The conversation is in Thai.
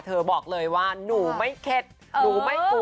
บอกเลยว่าหนูไม่เคล็ดหนูไม่กลัว